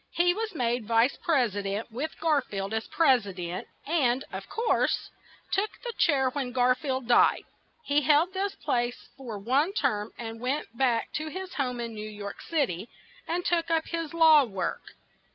] In 1880 he was made vice pres i dent with Gar field as pres i dent; and, of course, took the chair when Gar field died. He held this place for one term and then went back to his home in New York Cit y, and took up his law work.